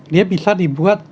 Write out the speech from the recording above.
dia bisa dibuat